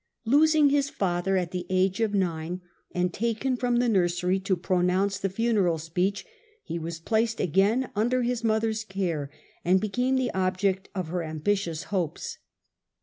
Losing his father at the age of nine, and taken from the nursery to pronounce the funeral speech, he was placed again under his mother's care and became the object of her ambitious hopes.